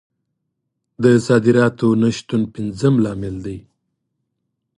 د صادراتو نه شتون پنځم لامل دی.